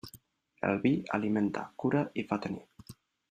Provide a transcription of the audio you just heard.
El vi alimenta, cura i fa tenir.